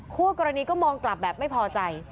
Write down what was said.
คู่กรณีก็มองกลับแบบไม่พอใจ